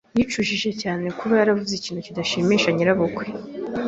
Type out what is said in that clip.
Yicujije cyane kuba yaravuze ikintu kidashimishije nyirabukwe.